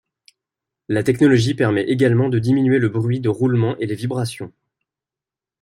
La technologie permet également de diminuer le bruit de roulement et les vibrations.